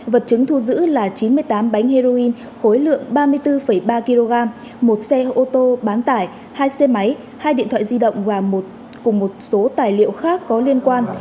vật chứng thu giữ là chín mươi tám bánh heroin khối lượng ba mươi bốn ba kg một xe ô tô bán tải hai xe máy hai điện thoại di động và cùng một số tài liệu khác có liên quan